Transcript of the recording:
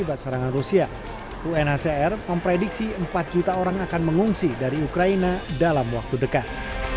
berkongsi dari ukraina dalam waktu dekat